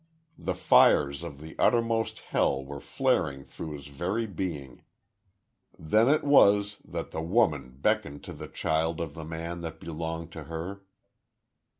The fires of the uttermost hell were flaring through his very being. Then it was that the woman beckoned to the child of the man that belonged to her.